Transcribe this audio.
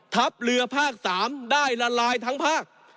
ทัพเรือภาค๓ได้ละลายทั้งภาค